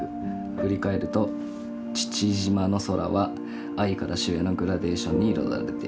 振り返ると父島の空は藍から朱へのグラデーションに彩られている。